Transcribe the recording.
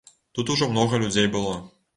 Тут ужо многа людзей было.